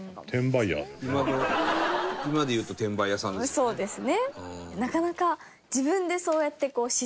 そうですね。